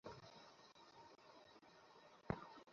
গোপাল, নিজেরটা বলে ফোন কেটে দেয়।